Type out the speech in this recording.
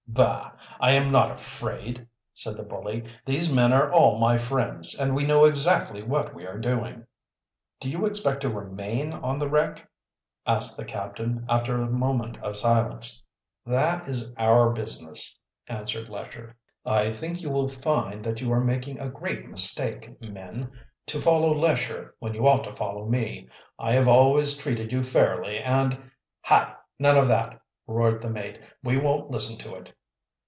"Bah! I am not afraid," said the bully. "These men are all my friends, and we know exactly what we are doing." "Do you expect to remain on the wreck?" asked the captain, after a moment of silence. "That is our business," answered Lesher. "I think you will find that you are making a great mistake, men, to follow Lesher when you ought to follow me. I have always treated you fairly, and " "Hi! none of that!" roared the mate. "We won't listen to it."